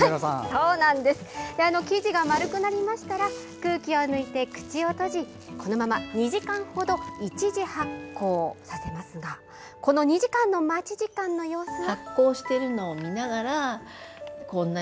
生地が丸くなりましたら空気を抜いて口を閉じこのまま２時間程１次発酵させますがこの２時間の待ち時間の様子は。